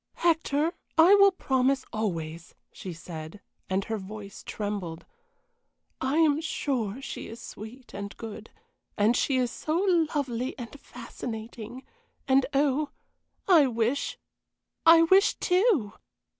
"Hector, I will promise always," she said, and her voice trembled. "I am sure she is sweet and good; and she is so lovely and fascinating and oh, I wish I wish too!"